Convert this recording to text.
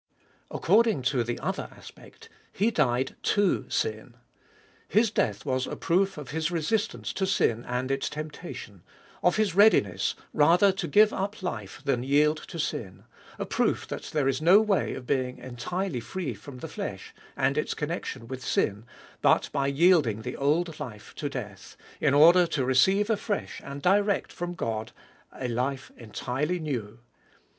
According to the other aspect, He died to sin. His death was a proof of His resistance to sin and its temptation, of His readiness rather to give up life than yield to sin ; a proof that there is no way of being entirely free from the flesh and its connection with sin, but by yielding the old life to death, in order to receive afresh and direct from God a life entirely new.